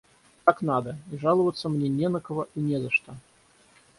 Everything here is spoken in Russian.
Так надо, и жаловаться мне не на кого и не за что.